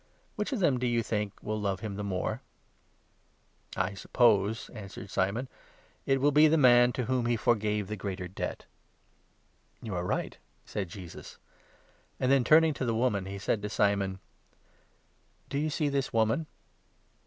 Which of them, do you think, will love him the more ?"" I suppose," answered Simon, " it will be the man to whom 43 he forgave the greater debt. " "You are right, "said Jesus, and then, turning to the woman, 44 he said to Simon : "Do you see this woman